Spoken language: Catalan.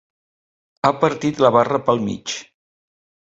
Ha partit la barra pel mig.